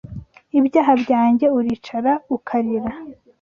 ibyaha byanjye uricara ukarira